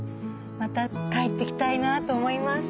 また帰ってきたいなと思います。